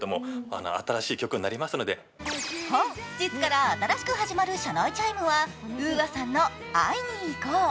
本日から新しく始まる車内チャイムはＵＡさんの「会いにいこう」。